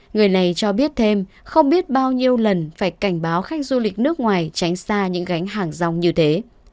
người này cho biết thêm không biết bao nhiêu lần phải cảnh báo khách du lịch nước ngoài tránh xa những gánh hàng rong như thế